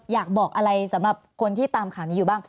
อยากบอกอะไรสำหรับคนที่ตามข่าวนี้อยู่บ้าง